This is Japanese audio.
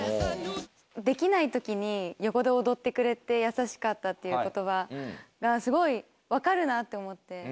できないときに横で踊ってくれて優しかったっていう言葉がすごい分かるなって思って。